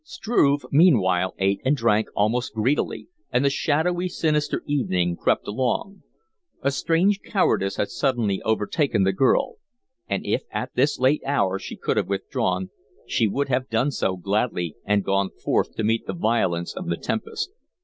Struve, meanwhile, ate and drank almost greedily, and the shadowy, sinister evening crept along. A strange cowardice had suddenly overtaken the girl; and if, at this late hour, she could have withdrawn, she would have done so gladly and gone forth to meet the violence of the tempest.